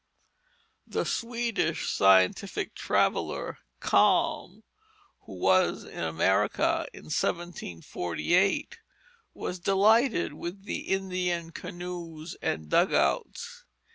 The Swedish scientific traveller, Kalm, who was in America in 1748, was delighted with the Indian canoes and dugouts.